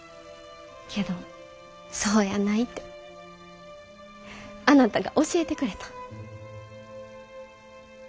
けどそうやないてあなたが教えてくれた。